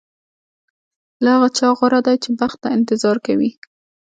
له هغه چا غوره دی چې بخت ته انتظار کوي.